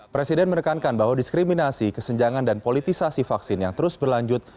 presiden menekankan bahwa diskriminasi kesenjangan dan politisasi vaksin yang terus berlanjut